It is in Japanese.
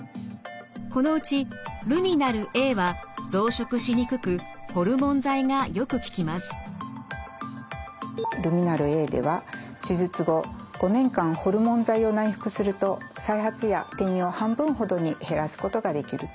このうちルミナルＡはルミナルＡでは手術後５年間ホルモン剤を内服すると再発や転移を半分ほどに減らすことができるといわれています。